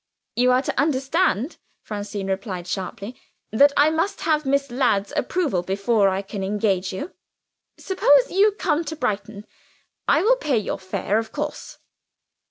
"You are to understand," Francine replied sharply, "that I must have Miss Ladd's approval before I can engage you. Suppose you come to Brighton? I will pay your fare, of course."